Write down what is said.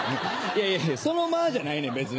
いやいやその間じゃないねん別に。